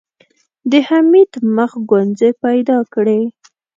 د حميد مخ ګونځې پيدا کړې.